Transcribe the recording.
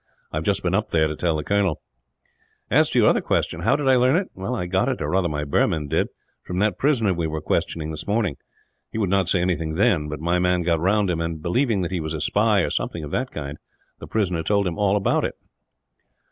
I have just been up there to tell the colonel. "As to your other question how did I learn it I got it, or rather my Burman did, from that prisoner we were questioning this morning. He would not say anything then; but my man got round him and, believing that he was a spy, or something of that kind, the prisoner told him all about it."